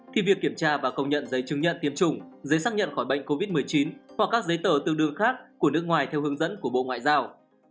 thì việc kiểm tra và công nhận giấy chứng nhận tiêm chủng giấy xác nhận khỏi bệnh covid một mươi chín hoặc các giấy tờ tương đương khác của nước ngoài theo hướng dẫn của bộ ngoại giao